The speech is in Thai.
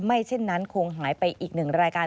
เช่นนั้นคงหายไปอีกหนึ่งรายการ